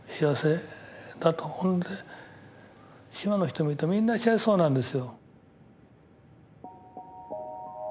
島の人々みんな幸せそうなんですよ。